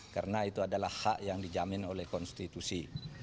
karena itu adalah hak yang dijamin oleh konstitusi